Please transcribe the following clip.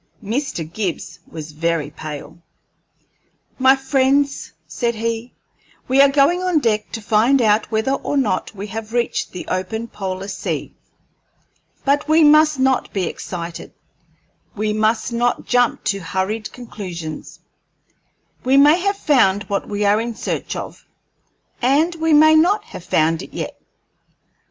Mr. Gibbs was very pale. "My friends," said he, "we are going on deck to find out whether or not we have reached the open polar sea, but we must not be excited, and we must not jump to hurried conclusions; we may have found what we are in search of, and we may not have found it yet.